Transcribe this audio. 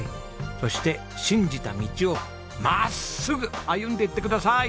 そして信じた道を真っすぐ歩んでいってください。